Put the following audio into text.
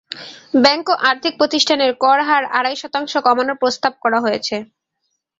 Bank ও আর্থিক প্রতিষ্ঠানের কর হার আড়াই শতাংশ কমানোর প্রস্তাব করা হয়েছে।